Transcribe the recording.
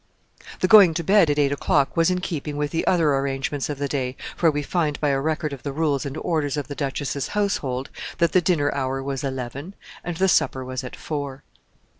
The going to bed at eight o'clock was in keeping with the other arrangements of the day, for we find by a record of the rules and orders of the duchess's household that the dinner hour was eleven, and the supper was at four.